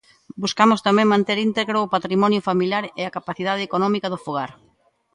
Buscamos tamén manter íntegro o patrimonio familiar e a capacidade económica do fogar.